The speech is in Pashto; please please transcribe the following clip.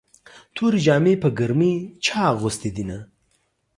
تورې جامې په ګرمۍ چا اغوستې دينه